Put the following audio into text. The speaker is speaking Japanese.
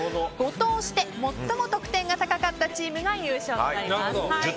５投して最も得点が高かったチームが優勝となります。